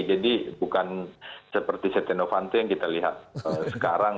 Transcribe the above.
jadi bukan seperti setenovanto yang kita lihat sekarang